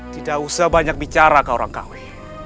tidak usah banyak bicara ke orang kawin